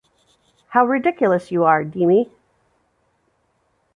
How ridiculous you are, Dimi!